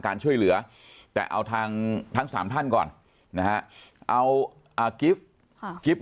การช่วยเหลือแต่เอาทางทั้ง๓ท่านก่อนนะฮะเอากิฟต์กิ๊บ